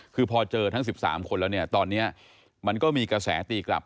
คือพอเจอทั้ง๑๓คนแล้วเนี่ยตอนนี้มันก็มีกระแสตีกลับ